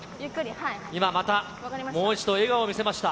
今また、もう一度笑顔を見せました。